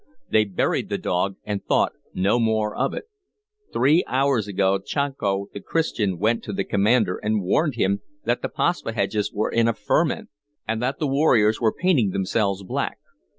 They buried the dog, and thought no more of it. Three hours ago, Chanco the Christian went to the commander and warned him that the Paspaheghs were in a ferment, and that the warriors were painting themselves black.